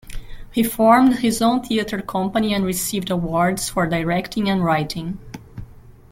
He formed his own theater company and received awards for directing and writing.